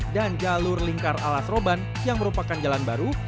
dan jalur lingkar ala seroban yang merupakan jalan baru